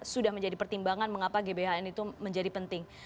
sudah menjadi pertimbangan mengapa gbhn itu menjadi penting